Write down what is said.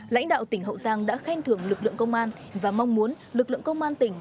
lãnh đạo tỉnh hậu giang đã khen thưởng lực lượng công an và mong muốn lực lượng công an tỉnh